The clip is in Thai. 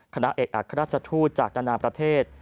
คณะเอกอัครราชทูตจากนานาประเทศ